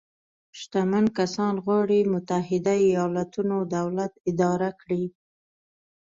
شتمن کسان غواړي متحده ایالتونو دولت اداره کړي.